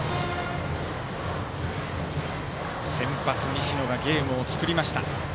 先発、西野がゲームを作りました。